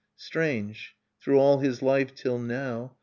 Strange! through all his life till now.